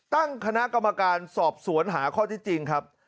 ตั้งคณะกรรมการสอบสวนหาข้อที่จริงครับ